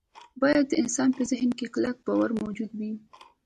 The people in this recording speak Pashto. باید د انسان په ذهن کې کلک باور موجود وي